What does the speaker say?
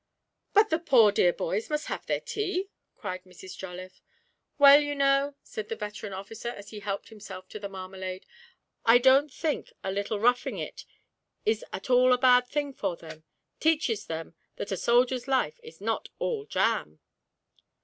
'But the poor dear boys must have their tea!' cried Mrs. Jolliffe. 'Well, you know,' said their veteran officer, as he helped himself to the marmalade, 'I don't think a little roughing it is at all a bad thing for them teaches them that a soldier's life is not all jam.'